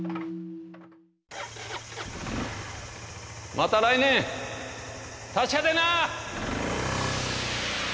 また来年達者でな！